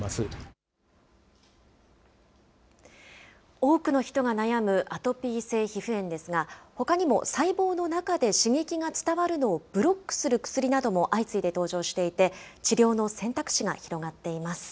多くの人が悩むアトピー性皮膚炎ですが、ほかにも細胞の中で刺激が伝わるのをブロックする薬なども相次いで登場していて、治療の選択肢が広がっています。